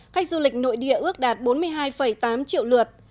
khách du lịch nội địa ước đạt bốn mươi hai tám triệu lượt